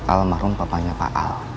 almarhum papanya pak al